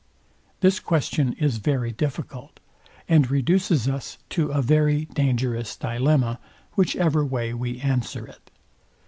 This question is very difficult, and reduces us to a very dangerous dilemma, whichever way we answer it.